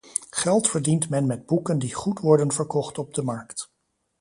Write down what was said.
Geld verdient men met boeken die goed worden verkocht op de markt.